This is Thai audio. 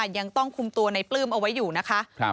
ยังต้องคุมตัวในปลื้มเอาไว้อยู่นะคะ